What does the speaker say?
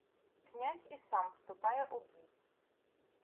Князь і сам вступає у бій.